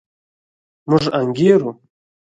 موږ انګېرو.